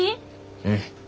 うん。